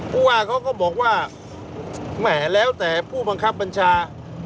ผู้ว่าเขาก็บอกว่าแหมแล้วแต่ผู้บังคับบัญชา